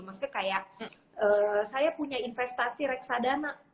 maksudnya kayak saya punya investasi reksadana